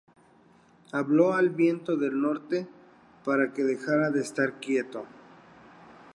Habló al Viento del Norte para que dejara de estar quieto.